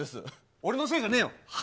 俺のせいじゃねえよ。は？